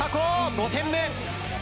５点目！